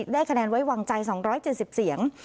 ได้คะแนนไว้วางใจ๒๗๐เสียง